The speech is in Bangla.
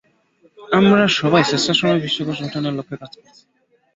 আমরা সবাই স্বেচ্ছাশ্রমেই বিশ্বকোষ গঠনের লক্ষ্যে কাজ করছি।